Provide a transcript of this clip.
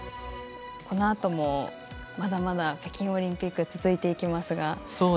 このあともまだまだ北京オリンピック続きますが。